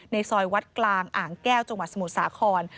ซอยวัดกลางอ่างแก้วจังหวัดสมุทรสาคร